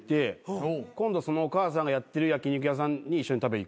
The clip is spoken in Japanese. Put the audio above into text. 今度そのお母さんがやってる焼き肉屋さんに一緒に食べ行く。